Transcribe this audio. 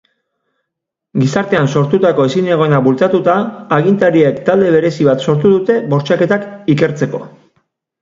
Gizartean sortutako ezinegonak bultzatuta, agintariek talde berezi bat sortu dute bortxaketak ikertzeko.